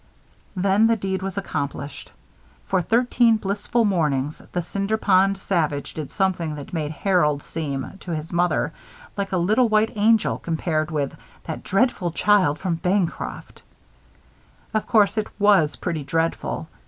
Then the deed was accomplished. For thirteen blissful mornings, the Cinder Pond Savage did something that made Harold seem, to his mother, like a little white angel, compared with "that dreadful child from Bancroft." Of course, it was pretty dreadful.